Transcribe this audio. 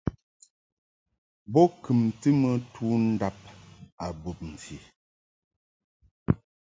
Bo kumti mɨ tundab a bumti.